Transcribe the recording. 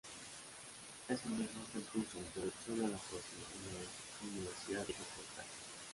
Es profesor del curso "Introducción a la poesía" en la Universidad Diego Portales.